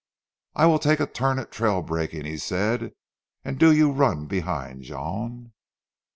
"I will take a turn at trail breaking," he said, "and do you run behind, Jean."